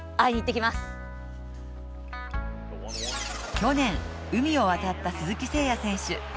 去年、海を渡った鈴木誠也選手。